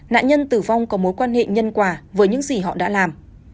nạn nhân tử vong có mối quan hệ nhân quả với những gì họ đã làm